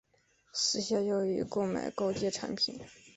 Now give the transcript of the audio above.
私下交易购买高阶商品